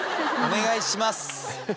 お願いします。